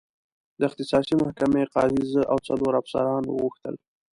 د اختصاصي محکمې قاضي زه او څلور افسران وغوښتل.